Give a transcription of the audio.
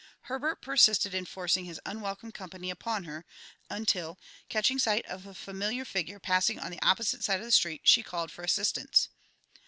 Herbert persisted in forcing his unwelcome company upon her until, catching sight of a familiar figure passing on the opposite side of the street, she called for assistance.